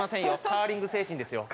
カーリング精神ですよ。